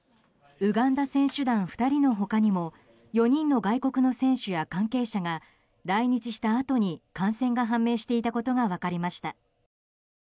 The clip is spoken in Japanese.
ウガンダ選手団２人の他にも４人の外国の選手や関係者が来日したあとに感染が判明していたことが分かりました。